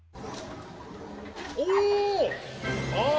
お！